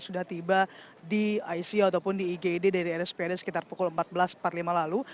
sudah tiba di icu ataupun di igd dari rspad sekitar pukul empat belas empat puluh lima lalu